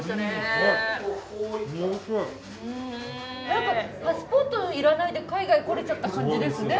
何かパスポート要らないで海外来れちゃった感じですね。